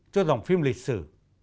cho dòng phim lịch sử